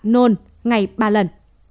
nôn ngày ba lần